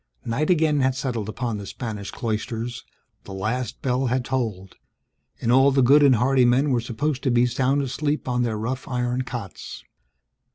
Night again had settled upon the Spanish cloisters, the last bell had tolled; and all the good and hardy men were supposed to be at sound sleep on their rough iron cots.